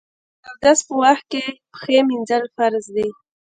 د اودس په وخت کې پښې مینځل فرض دي.